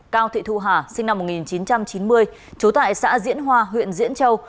cao thị thu hà sinh năm một nghìn chín trăm chín mươi chú tại xã diễn hoa huyện diễn châu